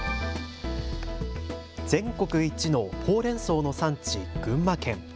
全国一のほうれんそうの産地、群馬県。